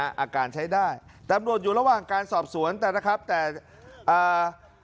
อาการใช้ได้ตำรวจอยู่ระหว่างการสอบสวนแต่นะครับแต่อ่า